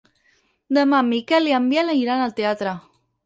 Demà en Miquel i en Biel iran al teatre.